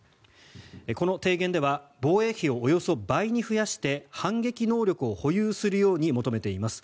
この提言では防衛費をおよそ倍に増やして反撃能力を保有するように求めています。